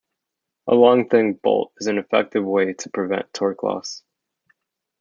A long thin bolt is an effective way to prevent torque loss.